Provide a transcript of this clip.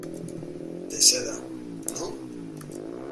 de seda. ¿ no?